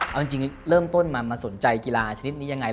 เอาจริงเริ่มต้นมาสนใจกีฬาชนิดนี้ยังไง